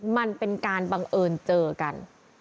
มันเป็นการบังเอิญเจอกัน